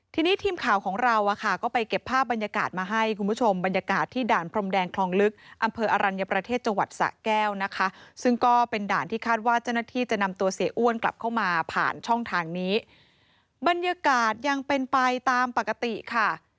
ทีนี้ทีมข่าวของเราอ่ะค่ะก็ไปเก็บภาพบรรยากาศมาให้คุณผู้ชมบรรยากาศที่ด่านพรมแดงคลองลึกอำเภออรัญญประเทศจังหวัดสะแก้วนะคะซึ่งก็เป็นด่านที่คาดว่าเจ้าหน้าที่จะนำตัวเสียอ้วนกลับเข้ามาผ่านช่องทางนี้บรรยากาศยังเป็นไปตามปกติค่ะ